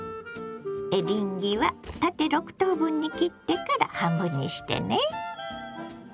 エリンギは縦６等分に切ってから半分にしてね。